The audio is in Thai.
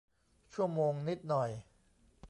ชั่วโมงนิดหน่อย